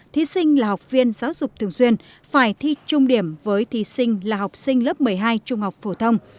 thí sinh là học viên giáo dục thường xuyên phải thi trung điểm với thí sinh là học sinh lớp một mươi hai trung học phổ thông